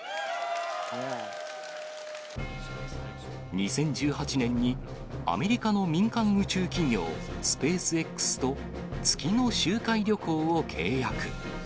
２０１８年にアメリカの民間宇宙企業、スペースＸと月の周回旅行を契約。